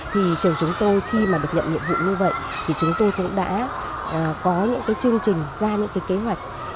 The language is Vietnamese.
thì trường chúng tôi khi mà được nhận nhiệm vụ như vậy thì chúng tôi cũng đã có những cái chương trình ra những cái kế hoạch